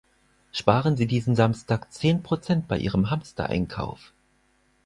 Sparen Sie diesen Samstag zehn Prozent bei Ihrem Hamstereinkauf!